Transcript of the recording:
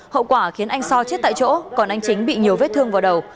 hậu quả khiến anh so chết tại chỗ còn anh chính bị nhiều vết thương vào đầu